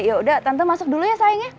yaudah tante masuk dulu ya sayang ya